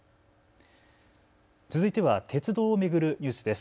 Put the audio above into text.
続いては鉄道を巡るニュースです。